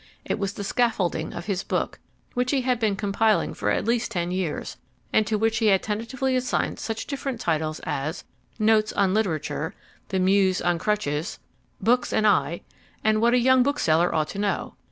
It was the scaffolding of his book, which he had been compiling for at least ten years, and to which he had tentatively assigned such different titles as "Notes on Literature," "The Muse on Crutches," "Books and I," and "What a Young Bookseller Ought to Know."